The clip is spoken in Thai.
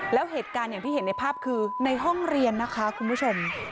แล้วเหตุการณ์อย่างที่เห็นในภาพคือในห้องเรียนนะคะคุณผู้ชม